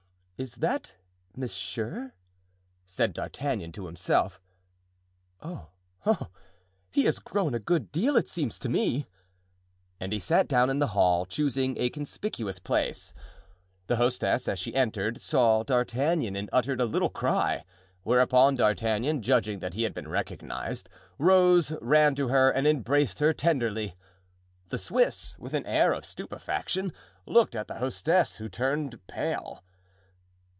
"Is that monsieur?" said D'Artagnan to himself. "Oh! oh! he has grown a good deal, it seems to me." And he sat down in the hall, choosing a conspicuous place. The hostess, as she entered, saw D'Artagnan and uttered a little cry, whereupon D'Artagnan, judging that he had been recognized, rose, ran to her and embraced her tenderly. The Swiss, with an air of stupefaction, looked at the hostess, who turned pale.